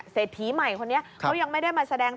เศรษฐีใหม่คนนี้เขายังไม่ได้มาแสดงตัว